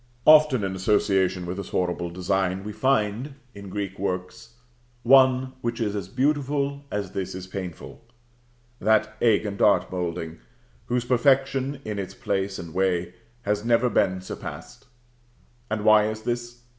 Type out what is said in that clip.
Often in association with this horrible design we find, in Greek works, one which is as beautiful as this is painful that egg and dart moulding, whose perfection in its place and way, has never been surpassed. And why is this?